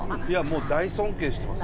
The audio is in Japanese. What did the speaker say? もう大尊敬してます。